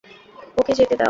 ওকে যেতে দাও।